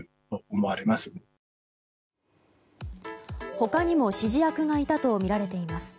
他にも指示役がいたとみられています。